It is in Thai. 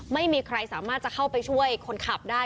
ไม่มีใครสามารถจะเข้าไปช่วยคนขับได้